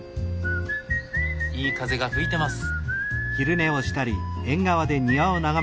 いい風が吹いてます。